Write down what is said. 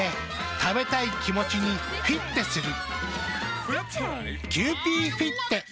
食べたい気持ちにフィッテする。